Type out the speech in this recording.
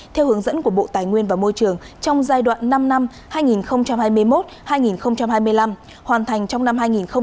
theo hướng dẫn của bộ tài nguyên và môi trường trong giai đoạn năm năm hai nghìn hai mươi một hai nghìn hai mươi năm hoàn thành trong năm hai nghìn hai mươi năm